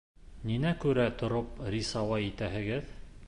Ниңә күрә тороп рисуай итәһегеҙ?